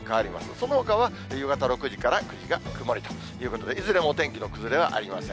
そのほかは夕方６時から９時が曇りということで、いずれもお天気の崩れはありません。